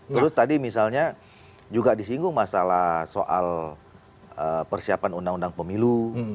terus tadi misalnya juga disinggung masalah soal persiapan undang undang pemilu